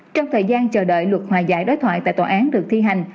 trong thời gian chờ đợi luật hòa giải đối thoại tại tòa án được thi hành